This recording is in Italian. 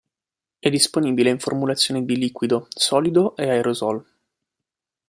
È disponibile in formulazioni di liquido, solido e aerosol.